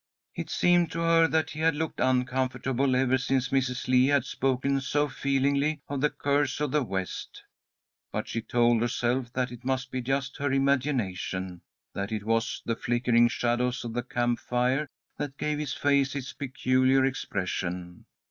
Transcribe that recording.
It seemed to her that he had looked uncomfortable ever since Mrs. Lee had spoken so feelingly of the curse of the West; but she told herself that it must be just her imagination, that it was the flickering shadows of the camp fire that gave his face its peculiar expression.